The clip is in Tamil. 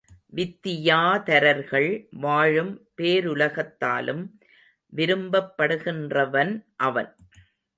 வித்தியாதரர்கள் வாழும் பேருலகத்தாலும் விரும்பப்படுகின்றவன் அவன்.